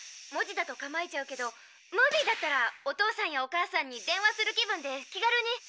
文字だと構えちゃうけどムービーだったらお父さんやお母さんに電話する気分で気軽に。